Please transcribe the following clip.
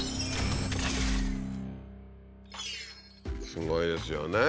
すごいですよね。